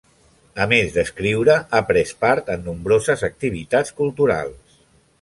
A més d’escriure, ha pres part en nombroses activitats culturals.